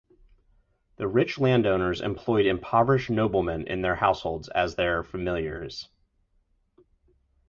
The rich landowners employed impoverished noblemen in their households as their "familiares".